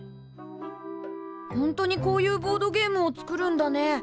ほんとにこういうボードゲームを作るんだね。